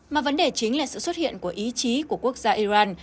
mà vấn đề chính là sự xuất hiện của ý chí của quốc gia iran